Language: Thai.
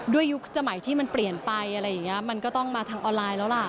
ยุคสมัยที่มันเปลี่ยนไปอะไรอย่างนี้มันก็ต้องมาทางออนไลน์แล้วล่ะ